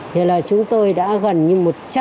thì là chúng tôi đã gần như một trăm linh